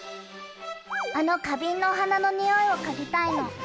あの花瓶のお花のにおいを嗅ぎたいの。